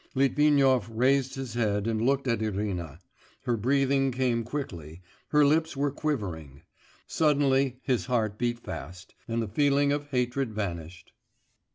Litvinov raised his head and looked at Irina; her breathing came quickly, her lips were quivering. Suddenly his heart beat fast, and the feeling of hatred vanished.